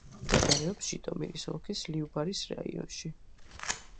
მდებარეობს ჟიტომირის ოლქის ლიუბარის რაიონში.